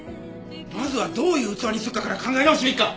まずはどういう器にするかから考え直してみるか！